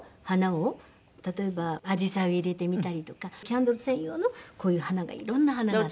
例えばアジサイを入れてみたりとかキャンドル専用のこういう花がいろんな花が。